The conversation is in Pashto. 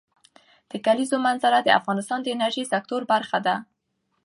د کلیزو منظره د افغانستان د انرژۍ سکتور برخه ده.